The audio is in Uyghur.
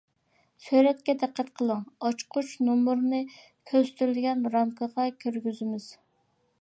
سۈرەتكە دىققەت قىلىڭ: ئاچقۇچ نومۇرىنى كۆرسىتىلگەن رامكىغا كىرگۈزىمىز.